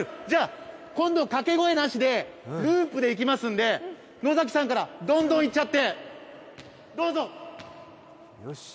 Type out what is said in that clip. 今度はかけ声なしでループでいきますんで野崎さんからどんどんいっちゃって、どうぞ。